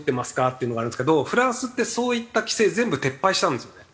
っていうのがあるんですけどフランスってそういった規制全部撤廃したんですよね。